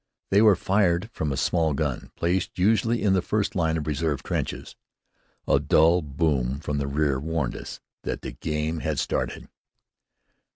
They were fired from a small gun, placed, usually, in the first line of reserve trenches. A dull boom from the rear warned us that the game had started.